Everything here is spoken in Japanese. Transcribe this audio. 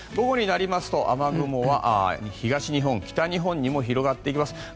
夜になりますと雨雲は東日本、北日本にも広がっていきます。